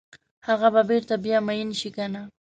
هغه به بیرته بیا میین شي کنه؟